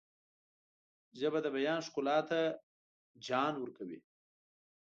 ژبه د بیان ښکلا ته جان ورکوي